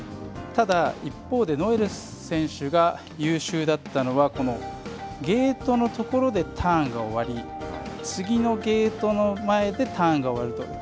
ただ、一方でノエル選手が優秀だったのはこのゲートの所でターンが終わり次のゲートの前でターンが終わると。